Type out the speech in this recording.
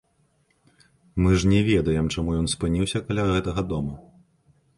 Мы ж не ведаем, чаму ён спыніўся каля гэтага дома.